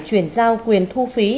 chuyển giao quyền thu phí